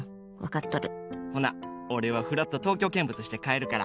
ほな、俺はふらっと東京見物して帰るから。